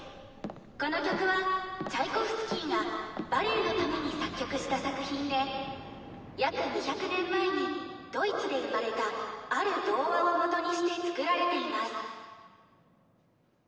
この曲はチャイコフスキーがバレエのために作曲した作品で約２００年前にドイツで生まれたある童話をもとにして作られています。